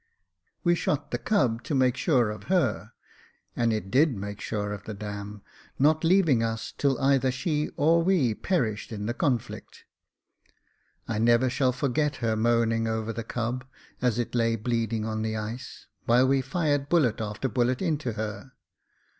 We shot the cub to make sure of her, and it did make sure of the dam not leaving us till either she or we perished in the conflict. I never shall forget her moaning over the cub, as it lay bleeding on the ice, while we fired bullet after bullet into her.